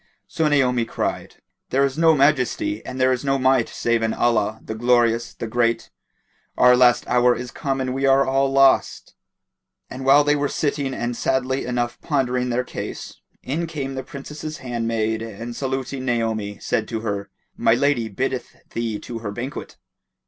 So Naomi cried, "There is no Majesty and there is no Might save in Allah, the Glorious, the Great! Our last hour is come and we are all lost." And while they were sitting and sadly enough pondering their case, in came the Princess's handmaid and saluting Naomi said to her, "My lady biddeth thee to her banquet."